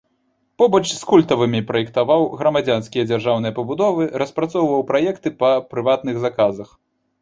Побач з культавымі праектаваў грамадзянскія дзяржаўныя пабудовы, распрацоўваў праекты па прыватных заказах.